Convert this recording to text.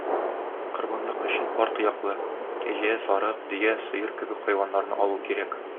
Корбанлык өчен пар тояклы - кәҗә, сарык, дөя, сыер кебек хайваннарны алу кирәк.